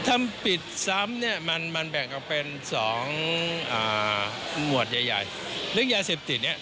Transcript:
ถ้าปิดซ้ำเนี่ยมันมันแบ่งออกเป็นสองอ่าหมวดใหญ่ใหญ่เรื่องยาเสพติดเนี่ย